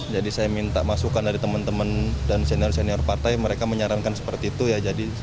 saya minta masukan dari teman teman dan senior senior partai mereka menyarankan seperti itu ya